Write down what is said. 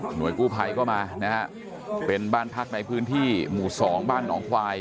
หน่วยกู้ไพรก็มานะครับเป็นบ้านพักในพื้นที่หมู่๒บ้านหนองควาย